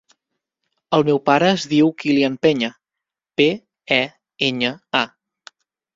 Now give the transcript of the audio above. El meu pare es diu Kilian Peña: pe, e, enya, a.